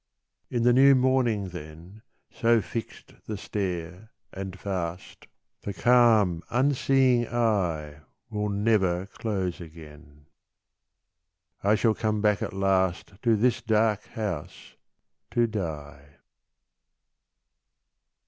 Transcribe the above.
In the new morning then, So fixed the stare and fast, The calm unseeing eye Will never close again. I shall come back at last To this dark house to die.